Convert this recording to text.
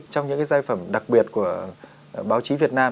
trong những giai phẩm đặc biệt của báo chí việt nam